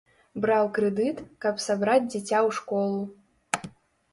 Браў крэдыт, каб сабраць дзіця ў школу.